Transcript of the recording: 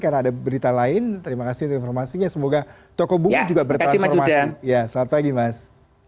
karena ada berita lain terima kasih untuk informasinya semoga toko buku juga bertransformasi ya selamat pagi mas